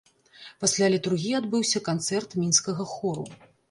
Пасля літургіі адбыўся канцэрт мінскага хору.